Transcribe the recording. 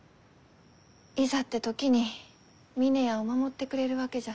いざって時に峰屋を守ってくれるわけじゃ。